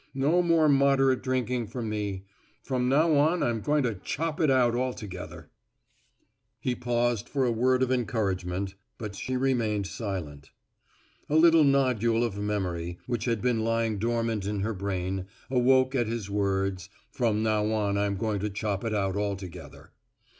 No more moderate drinking for me. From now on I'm going to chop it out altogether." He paused for a word of encouragement, but she remained silent. A little nodule of memory, which had been lying dormant in her brain, awoke at his words, "from now on I'm going to chop it out altogether."